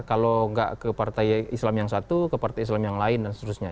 kalau nggak ke partai islam yang satu ke partai islam yang lain dan seterusnya